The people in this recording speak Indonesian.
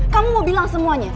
kamu mau bilang semuanya